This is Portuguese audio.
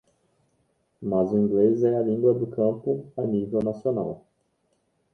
Mas o inglês é a língua do campo a nível nacional.